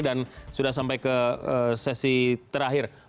dan sudah sampai ke sesi terakhir